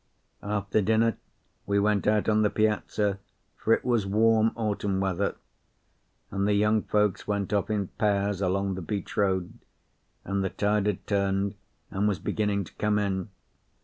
After dinner we went out on the piazza, for it was warm autumn weather; and the young folks went off in pairs along the beach road, and the tide had turned and was beginning to come in.